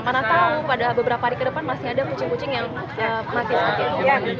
mana tahu pada beberapa hari ke depan masih ada kucing kucing yang mati seperti itu